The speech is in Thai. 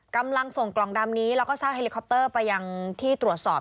กำลังส่งกล่องดำนี้แล้วก็สร้างเฮลิคอปเตอร์ไปยังที่ตรวจสอบ